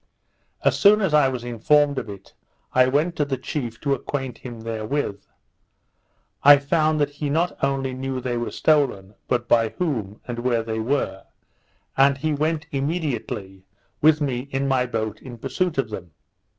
As soon as I was informed of it, I went to the chief to acquaint him therewith. I found that he not only knew they were stolen, but by whom, and where they were; and he went immediately with me in my boat in pursuit of them.